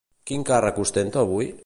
Quin càrrec ostenta avui?